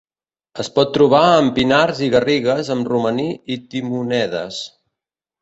Es pot trobar en pinars i garrigues amb romaní i timonedes.